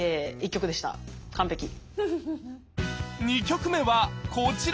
２曲目はこちら！